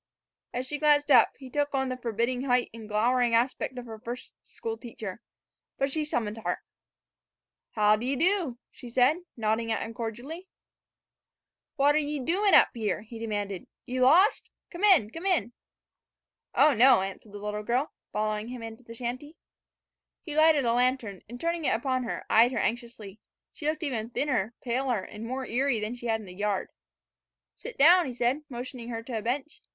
As she glanced up, he took on the forbidding height and glowering aspect of her first school teacher. But she summoned heart. "How d' ye do?" she said, nodding at him cordially. "What're ye doin' up here?" he demanded. "Ye lost? Come in! come in!" "Oh, no," answered the little girl, following him into the shanty. He lighted a lantern, and, turning it upon her, eyed her anxiously. She looked even thinner, paler, and more eerie than she had in the yard. "Sit down," he said, motioning her to a bench.